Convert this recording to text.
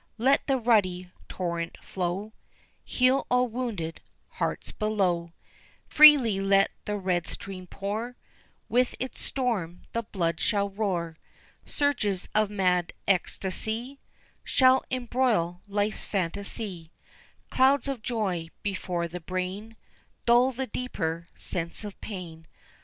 Let the ruddy torrent flow, Heal all wounded hearts below, Freely let the red stream pour, With its storm the blood shall roar; Surges of mad ecstacy Shall embroil life's phantasy; Clouds of joy before the brain Dull the deeper sense of pain.